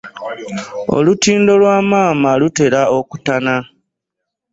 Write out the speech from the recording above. Olukindo lwa maama lutera okutana.